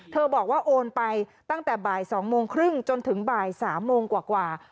บอกว่าโอนไปตั้งแต่บ่าย๒โมงครึ่งจนถึงบ่าย๓โมงกว่า